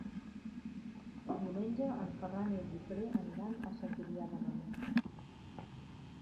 Diumenge en Ferran i en Guifré aniran a Sant Julià de Ramis.